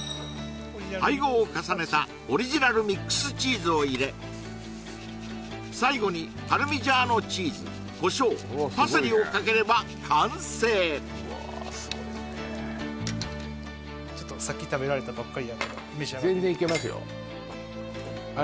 配合を重ねたオリジナルミックスチーズを入れ最後にパルミジャーノチーズ胡椒パセリをかければ完成うわすごいねちょっとさっき食べられたばっかりやけど召し上がってみてください